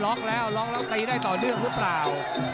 ็อกแล้วล็อกแล้วตีได้ต่อเนื่องหรือเปล่า